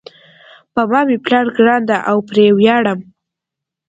په ما مېپلار ګران ده او پری ویاړم